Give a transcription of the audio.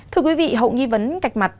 thưa quý vị hậu nghi vấn cạch mặt